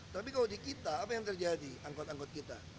tapi kalau di kita apa yang terjadi angkot angkot kita